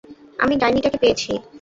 আমি ডাইনি টাকে পেয়েছি!